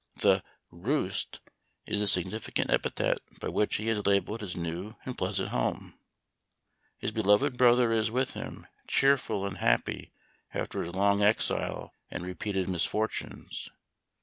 The " Roost" is the significant epithet by which he has labeled his new and pleasant home. His beloved brother is with him, cheerful and happy after his long exile and repeated misfortunes.